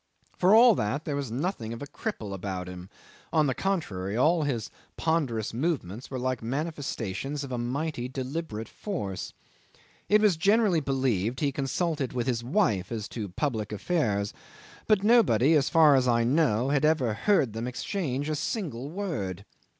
For all that, there was nothing of a cripple about him: on the contrary, all his ponderous movements were like manifestations of a mighty deliberate force. It was generally believed he consulted his wife as to public affairs; but nobody, as far as I know, had ever heard them exchange a single word.